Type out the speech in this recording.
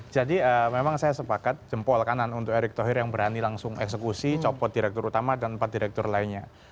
jadi memang saya sepakat jempol kanan untuk erick thohir yang berani langsung eksekusi copot direktur utama dan empat direktur lainnya